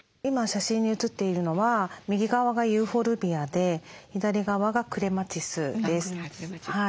今写真に写っているのは右側がユーフォルビアで左側がクレマチスです。